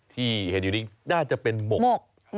ที่เห็นอยู่นี้น่าจะเป็นหมก